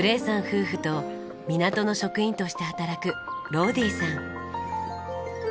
夫婦と港の職員として働くローディーさん。